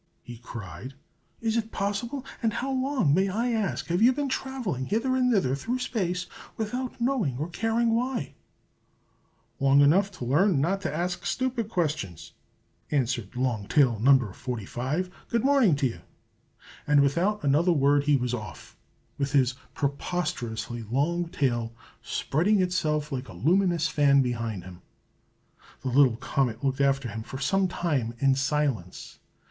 he cried. "Is it possible? And how long, may I ask, have you been travelling hither and thither through space, without knowing or caring why?" "Long enough to learn not to ask stupid questions!" answered Long Tail No. 45. "Good morning to you!" And without another word he was off, with his preposterously long tail spreading itself like a luminous fan behind him. The little comet looked after him for some time in silence.